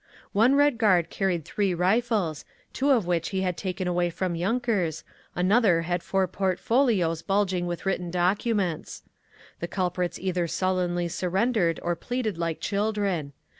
One Red Guard carried three rifles, two of which he had taken away from yunkers; another had four portfolios bulging with written documents. The culprits either sullenly surrendered or pleaded like children.